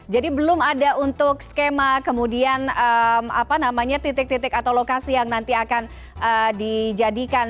jadi belum ada untuk skema kemudian titik titik atau lokasi yang nanti akan dijadikan